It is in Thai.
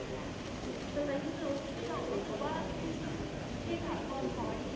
สวัสดีครับสวัสดีครับ